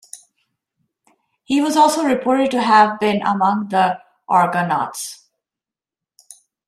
He was also reported to have been among the Argonauts.